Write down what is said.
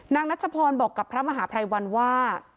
นางนาชพรบอกกับพระมหาภรรยวรรณว่า